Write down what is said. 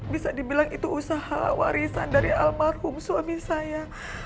bisa dibilang itu usaha warisan dari almarhum suami saya